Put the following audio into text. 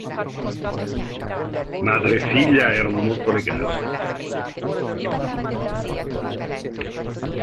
Madre e figlia erano molto legate.